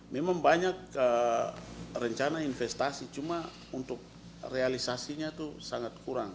memang banyak rencana investasi cuma untuk realisasinya itu sangat kurang